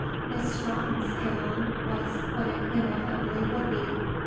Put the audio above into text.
Miss Scrotton's pæan was what it inevitably would be.